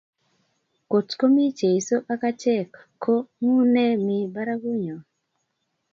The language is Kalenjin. Kot ko mi Jeso ak achek, ko ngu ne mi barakunyon?